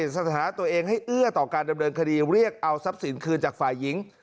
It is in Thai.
สถานะตัวเองให้เอื้อต่อการดำเนินคดีเรียกเอาทรัพย์สินคืนจากฝ่ายหญิง